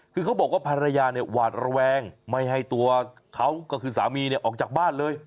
คือเขาบอกว่าภรรยาเนี่ยหวาดระแวงไม่ให้ตัวเขาก็คือสามีเนี่ยออกจากบ้านเลย